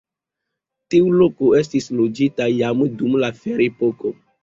Tiu loko estis loĝita jam dum la ferepoko.